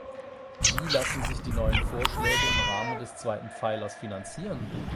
Wie lassen sich die neuen Vorschläge im Rahmen des zweiten Pfeilers finanzieren?